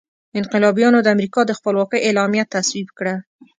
انقلابیانو د امریکا د خپلواکۍ اعلامیه تصویب کړه.